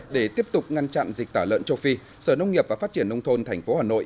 để tiếp tục ngăn chặn dịch tả lợn châu phi sở nông nghiệp và phát triển nông thôn tp hà nội